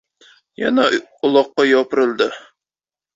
Yana uloqqa yopirildi.